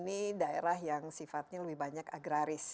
ini daerah yang sifatnya lebih banyak agraris